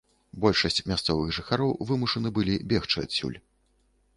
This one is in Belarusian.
Большасць мясцовых жыхароў вымушаны былі бегчы адсюль.